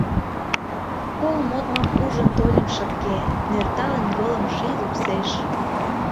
Кол модмым ужын тольым шыпке, нӧрталын йолым ший лупсеш.